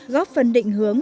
góp phần định hướng